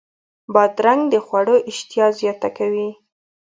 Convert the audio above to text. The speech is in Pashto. بادرنګ د خوړو اشتها زیاته کوي.